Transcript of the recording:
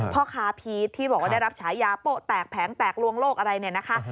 พ่อค้าพีชที่บอกว่าได้รับฉายาโป๊ะแตกแผงแตกลวงโลกอะไรเนี่ยนะคะ